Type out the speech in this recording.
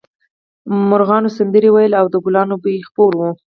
مرغانو سندرې ویلې او د ګلانو بوی خپور و